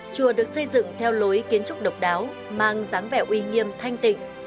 chùa được xây dựng theo lối kiến trúc độc đáo mang dáng vẻ uy nghiêm thanh tịnh